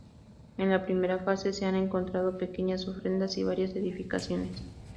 En la primera fase se han encontrado pequeñas ofrendas y varias edificaciones.